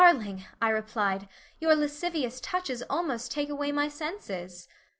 "Darling," I replied, "your lascivious touches almost take away my senses."